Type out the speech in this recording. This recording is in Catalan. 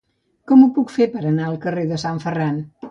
Com ho puc fer per anar al carrer de Sant Ferran?